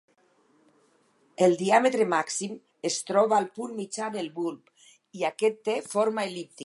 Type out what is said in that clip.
El diàmetre màxim es troba al punt mitjà del bulb i aquest té forma el·líptica.